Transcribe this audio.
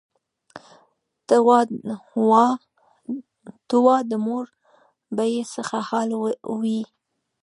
ته وا د مور به یې څه حال وي.